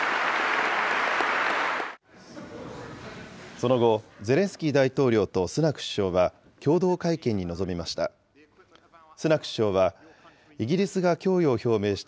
その後、ゼレンスキー大統領とスナク首相は、共同会見に臨みました。